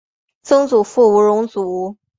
曾祖父吴荣祖。